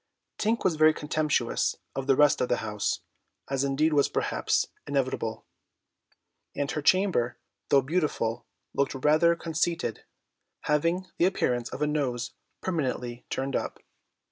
Tink was very contemptuous of the rest of the house, as indeed was perhaps inevitable, and her chamber, though beautiful, looked rather conceited, having the appearance of a nose permanently turned up.